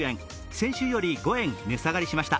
先週より５円、値下がりしました。